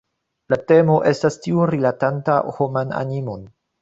La temo estas tiu rilatanta homan animon.